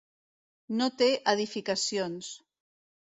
No té edificacions.